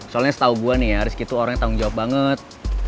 soalnya setahu gue nih ya rizky itu orangnya tanggung jawab banget